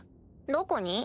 どこに？